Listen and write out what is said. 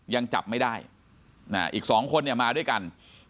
ยังจับไม่ได้อีกสองคนมาด้วยกัน